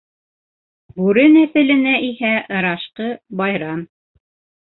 Бүре нәҫеленә иһә ырашҡы - байрам.